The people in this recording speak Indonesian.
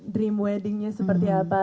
dream weddingnya seperti apa